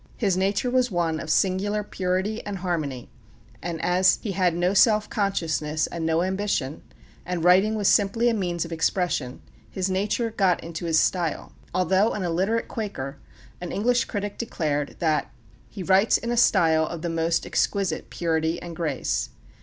His nature was one of singular purity and harmony; and as he had no self consciousness and no ambition, and writing was simply a means of expression, his nature got into his style. Although an illiterate Quaker, an English critic declared that "He writes in a style of the most exquisite purity and grace."